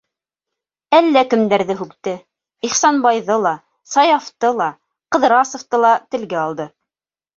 Әллә кемдәрҙе һүкте, Ихсанбайҙы ла, Саяфты ла, Ҡыҙрасовты ла телгә алды.